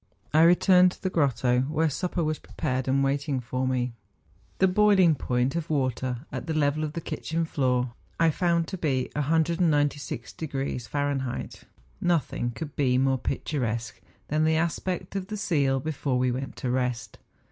I returned to the grotto, where supper was pre¬ pared and waiting for me. The boiling point of water, at the level of the " kitchen floor,' I found to be 196° Fahr. Nothing could be more picturesque than the aspect of the ceil before we went to rest.